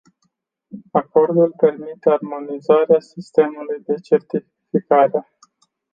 Acordul permite armonizarea sistemului de certificare.